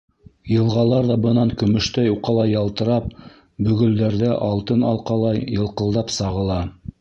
Йылғалар ҙа бынан көмөш уҡалай ялтырап, бөгөлдәрҙә алтын алҡалай йылҡылдап сағыла.